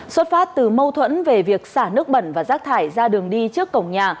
xuất phát từ mâu thuẫn về việc xả nước bẩn và rác thải ra đường đi trước cổng nhà